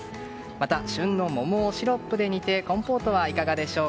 また旬のモモをシロップで煮てコンポートはいかがでしょう。